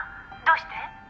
どうして？」